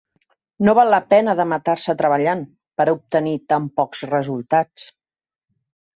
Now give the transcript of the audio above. No val la pena de matar-se treballant, per obtenir tan pocs resultats.